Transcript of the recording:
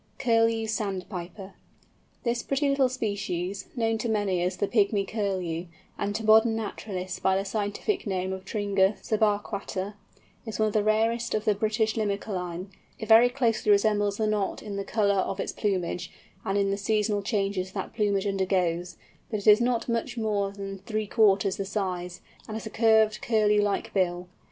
CURLEW SANDPIPER. This pretty little species, known to many as the "Pygmy Curlew," and to modern naturalists by the scientific name of Tringa subarquata, is one of the rarest of the British Limicolæ. It very closely resembles the Knot in the colour of its plumage, and in the seasonal changes that plumage undergoes, but it is not much more than three fourths the size, and has a curved Curlew like bill.